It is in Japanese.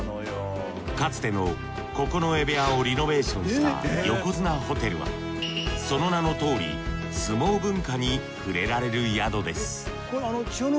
かつての九重部屋をリノベーションした横綱ホテルはその名のとおり相撲文化に触れられる宿です